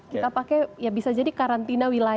kita pakai ya bisa jadi karantina wilayah